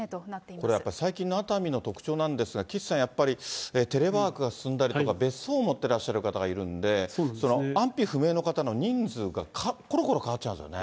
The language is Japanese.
これやっぱり、最近の熱海の特徴なんですが、岸さん、やっぱりテレワークが進んだりとか、やっぱり別荘持っていらっしゃる方がいるんで、安否不明の方の人数がころころ変わっちゃうんですよね。